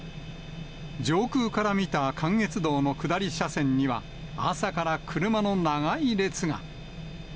上空から見た関越道の下り車線には、朝から車の長い列が。